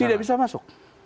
tidak bisa masuk